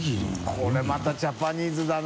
海またジャパニーズだな。